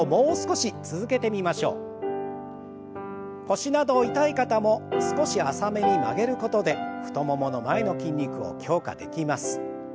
腰など痛い方も少し浅めに曲げることで太ももの前の筋肉を強化できます。